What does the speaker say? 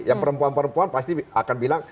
yang perempuan perempuan pasti akan bilang